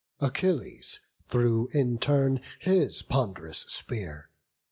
Achilles threw in turn his pond'rous spear.